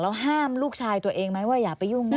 แล้วห้ามลูกชายตัวเองไหมว่าอย่าไปยุ่ง